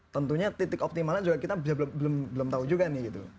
tentunya titik optimalnya juga kita belum tahu juga nih gitu